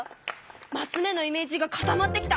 マス目のイメージが固まってきた！